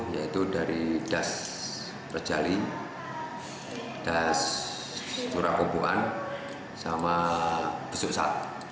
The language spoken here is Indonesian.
yaitu dari das rejali das turakoboan sama besuksat